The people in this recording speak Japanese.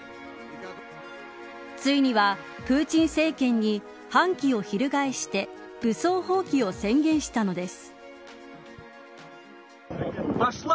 ついにはプーチン政権に反旗を翻して武装蜂起を宣言したのです。